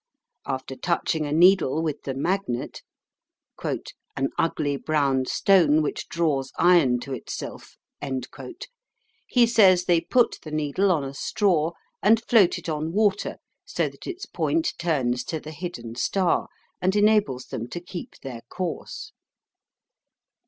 After touching a needle with the magnet, "an ugly brown stone which draws iron to itself," he says they put the needle on a straw and float it on water so that its point turns to the hidden star, and enables them to keep their course.